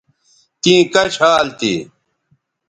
تیں کش حال تھی